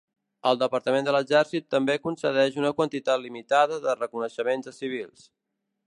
El Departament de l'exèrcit també concedeix una quantitat limitada de reconeixements a civils.